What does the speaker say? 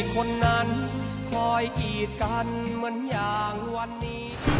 ขอบคุณครับ